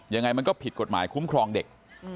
ยังไงมันก็ผิดกฎหมายคุ้มครองเด็ก